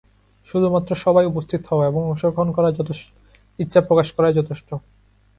শুধুমাত্র সভায় উপস্থিত হওয়া এবং অংশগ্রহণ করার ইচ্ছা প্রকাশ করাই যথেষ্ট।